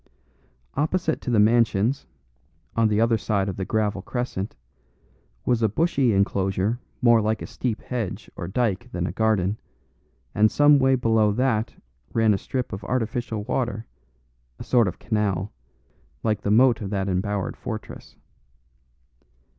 Opposite to the mansions, on the other side of the gravel crescent, was a bushy enclosure more like a steep hedge or dyke than a garden, and some way below that ran a strip of artificial water, a sort of canal, like the moat of that embowered fortress.